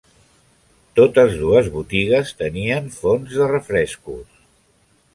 Totes dues botigues tenien fonts de refrescos.